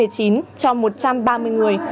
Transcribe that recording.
cho một trăm ba mươi người